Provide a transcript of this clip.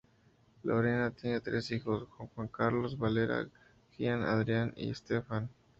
Lorena, tiene tres hijos con Juan Carlos Varela: Gian, Adrián y Stefan.